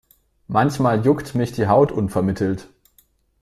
Manchmal juckt mich die Haut unvermittelt.